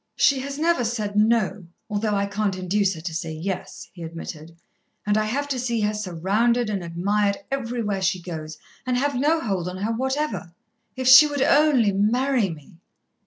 "She has never said no, although I can't induce her to say yes," he admitted; "and I have to see her surrounded and admired everywhere she goes, and have no hold on her whatever. If she would only marry me!"